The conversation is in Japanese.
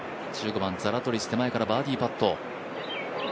１５番、ザラトリス、手前からバーディーパット。